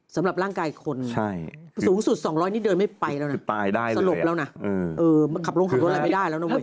สำหรับร่างกายคนสูงสุด๒๐๐นี่เดินไม่ไปแล้วนะสลบแล้วนะขับรถอะไรไม่ได้แล้วนะเว้